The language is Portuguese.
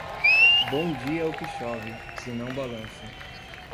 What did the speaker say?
Bom dia é o que chove, se não balança.